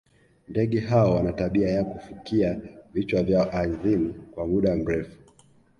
ndege hao wana tabia ya kufukia vichwa vyao ardhini kwa muda mrefu